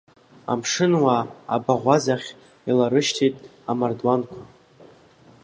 Амшын-уаа абаӷуазахь иларышьҭит амардуанқәа.